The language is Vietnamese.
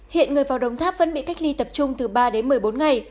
hiện người vào đồng tháp vẫn bị cách ly tập trung từ ba đến một mươi bốn ngày